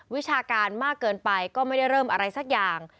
วิชาการมากเกินไปก็ไม่ได้เริ่มอะไรสักอย่าง